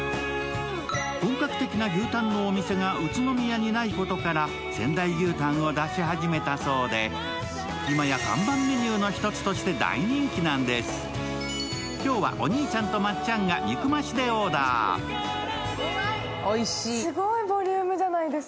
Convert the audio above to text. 本格的な牛たんのお店が宇都宮にないことから仙台牛たんを出し始めたそうで、いまや看板メニューの１つとして大人気なんだそうです。